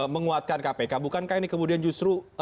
menguatkan kpk bukankah ini kemudian justru